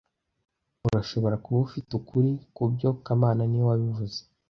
Urashobora kuba ufite ukuri kubyo kamana niwe wabivuze